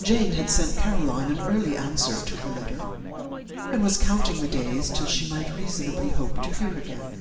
Jane had sent Caroline an early answer to her letter, and was counting the days till she might reasonably hope to hear again.